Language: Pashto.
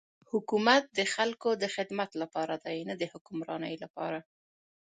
حکومت د خلکو د خدمت لپاره دی نه د حکمرانی لپاره.